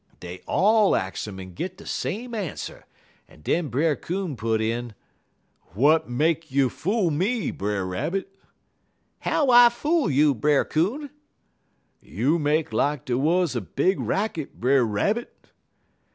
"Dey all ax 'im en git de same ans'er, en den Brer Coon put in: "'Wat make you fool me, Brer Rabbit?' "'How I fool you, Brer Coon?' "'You make lak dey wuz a big racket, Brer Rabbit.'